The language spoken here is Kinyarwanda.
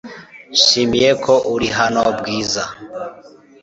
Nishimiye ko uri hano, Bwiza .